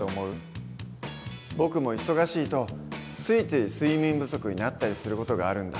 僕も忙しいとついつい睡眠不足になったりする事があるんだ。